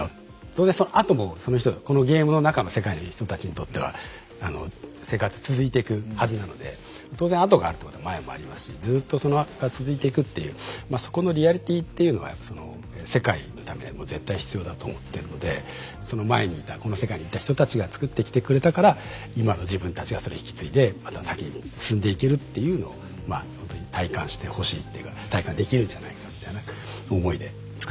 それでそのあともその人はこのゲームの中の世界の人たちにとっては生活続いていくはずなので当然後があるってことは前もありますしずっとその輪が続いていくっていうまあそこのリアリティっていうのはやっぱその世界のためにも絶対必要だと思ってるのでその前にいたこの世界にいた人たちがつくってきてくれたから今の自分たちがそれ引き継いでまた先に進んでいけるっていうのをまあほんとに体感してほしいっていうか体感できるんじゃないかみたいな思いで作ってましたね。